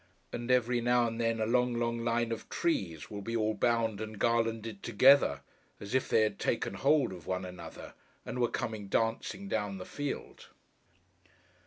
And every now and then, a long, long line of trees, will be all bound and garlanded together: as if they had taken hold of one another, and were coming dancing down the field!